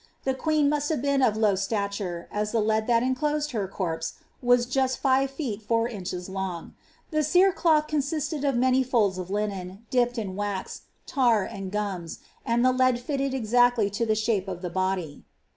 The ijiieen must have been of low buIuh!, as the leaii ihfll enclosed her cotjwe was jusi five feel four inches long. Tlie oerecUiih consisted of roany folds of liacn. dipped in wax, tar, and gums, aitd tlie lead lilted eiacOy to the shape of the body.